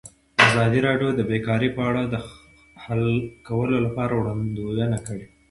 ازادي راډیو د بیکاري په اړه د حل کولو لپاره وړاندیزونه کړي.